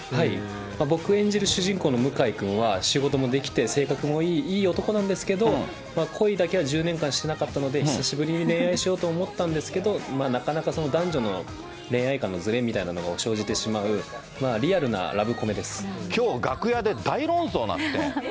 僕が演じる主人公の向井くんは、仕事もできて、性格もいい、いい男なんですけど、恋だけは１０年間してなかったので、久しぶりに恋愛しようと思ったんですけど、なかなかその男女の恋愛観のずれみたいなのが生じてしまう、リアきょう楽屋で大論争になってん。